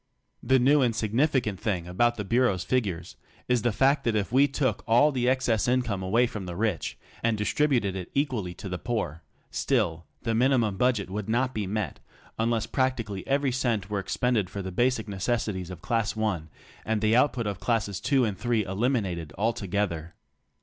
The nezv and significant thing about the Bureau's figures is the fact that if we took all the excess income away from the rich and distributed it equally to the poor, still the minimum budget would not be met unless practically every cent were expended for the basic necessities of class one, and the out put of classes two and three eliminated altogether.